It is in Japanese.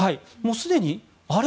すでに、あれ？